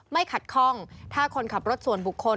ขัดข้องถ้าคนขับรถส่วนบุคคล